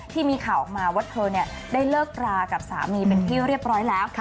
ที่มีข่าวออกมาว่าเธอได้เลิกรากับสามีเป็นที่เรียบร้อยแล้ว